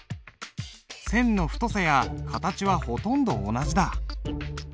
線の太さや形はほとんど同じだ。